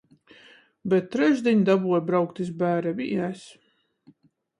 Bet trešdiņ daboju braukt iz bērem i es.